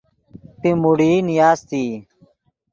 پیموڑئی نیاستئی